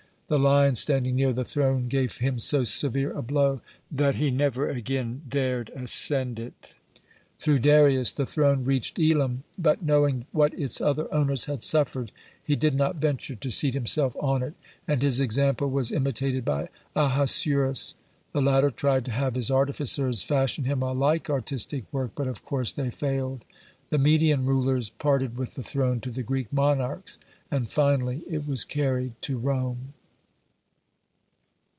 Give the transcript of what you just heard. The lion standing near the throne gave him so severe a blow that he never again dared ascend it. Through Darius the throne reached Elam, but, knowing what its other owners had suffered, he did not venture to seat himself on it, and his example was imitated by Ahasuerus. The latter tried to have his artificers fashion him a like artistic work, but, of course, they failed. (72) The Median rulers parted with the throne to the Greek monarchs, and finally it was carried to Rome.